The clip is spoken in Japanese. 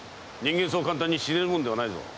人間はそう簡単に死ねるものではない。